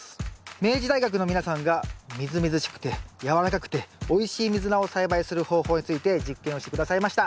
明治大学の皆さんがみずみずしくてやわらかくておいしいミズナを栽培する方法について実験をして下さいました。